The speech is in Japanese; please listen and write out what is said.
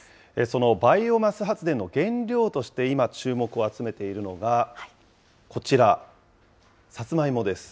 そのバイオマス発電の原料として今、注目を集めているのが、こちら、サツマイモです。